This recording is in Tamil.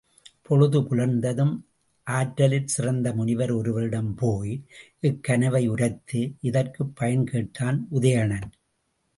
பொழுது புலர்ந்ததும் ஆற்றலிற் சிறந்த முனிவர் ஒருவரிடம் போய், இக் கனவை உரைத்து இதற்குப் பயன் கேட்டான் உதயணன்.